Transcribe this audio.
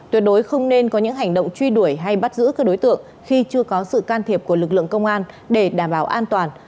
tuyệt đối không nên có những hành động truy đuổi hay bắt giữ các đối tượng khi chưa có sự can thiệp của lực lượng công an để đảm bảo an toàn